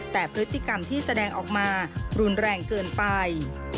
แต่พฤติกรรมที่แสดงออกมารุนแรงเกินไป